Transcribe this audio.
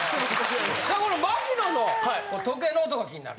さあこの槙野の時計の音が気になる。